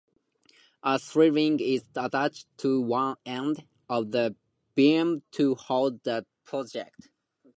A sling is attached to one end of the beam to hold the projectile.